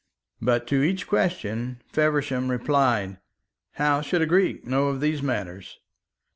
But to each question Feversham replied: "How should a Greek know of these matters?"